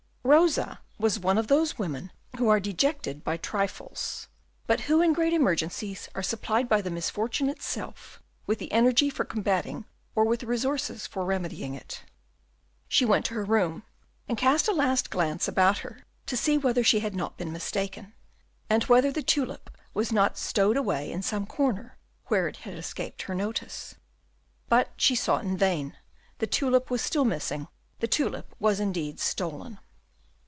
Rosa was one of those women who are dejected by trifles, but who in great emergencies are supplied by the misfortune itself with the energy for combating or with the resources for remedying it. She went to her room, and cast a last glance about her to see whether she had not been mistaken, and whether the tulip was not stowed away in some corner where it had escaped her notice. But she sought in vain, the tulip was still missing; the tulip was indeed stolen.